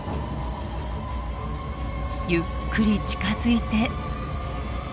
ゆっくり近づいて。